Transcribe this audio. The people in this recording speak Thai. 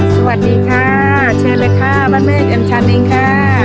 สวัสดีค่ะเชิญเลยค่ะป้าเมฆเอ็มชานิงค่ะ